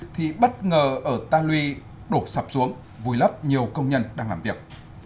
thì bất ngờ ở ta lui đổ sập xuống vùi lấp nhiều công nhân đang làm việc